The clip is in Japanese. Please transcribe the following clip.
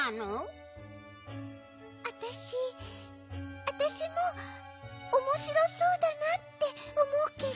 あたしあたしもおもしろそうだなっておもうけど。